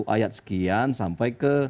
ayat sekian sampai ke